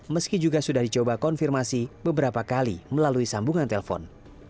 meski juga sudah dicoba konfirmasi beberapa kali melalui sambungan telepon